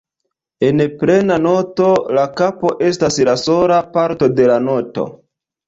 En plena noto, la kapo estas la sola parto de la noto.